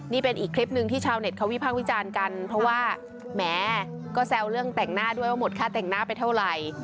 นี่เป็นอีกคลิปหนึ่งที่ชาวเน็ตเขาวิพากษ์วิจารณ์กันเพราะว่าแหมก็แซวเรื่องแต่งหน้าด้วยว่าหมดค่าแต่งหน้าไปเท่าไหร่